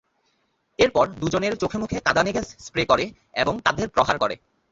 এরপর দুজনের চোখে-মুখে কাঁদানে gas spray করে এবং তাঁদের প্রহার করে।